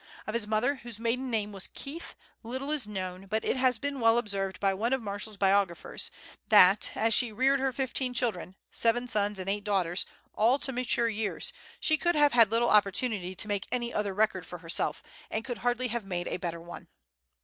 Of his mother, whose maiden name was Keith, little is known, but it has been well observed by one of Marshall's biographers, that, as she reared her fifteen children seven sons and eight daughters all to mature years, she could have had little opportunity to make any other record for herself, and could hardly have made a better one.